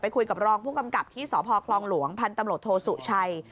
ไปคุยกับรองผู้กำกับที่สคลหลวงพันธมรโตโศชัย